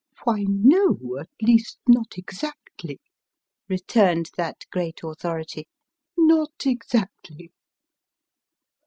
" Why, no at least not exactly," returned that great authority " not exactly."